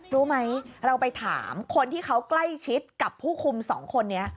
รู้ไหมเราไปถามคนที่เขากล้ายชิดกับผู้คุม๒คน